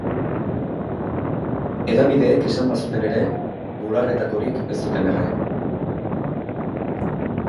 Hedabideek esan bazuten ere, bularretakorik ez zuten erre.